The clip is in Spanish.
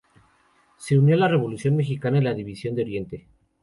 Se unió a la Revolución Mexicana en la División de Oriente.